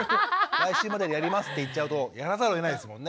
「来週までにやります」って言っちゃうとやらざるをえないですもんね。